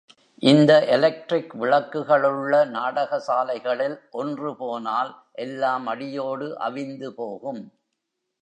இந்த எலெக்டிரிக் விளக்குகளுள்ள நாடக சாலைகளில், ஒன்று போனால் எல்லாம் அடியோடு அவிந்து போகும்.